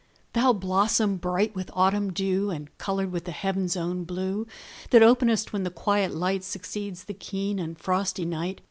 Thou blossom bright with autumn dew, And coloured with the heaven's own blue, That openest when the quiet light Succeeds the keen and frosty night.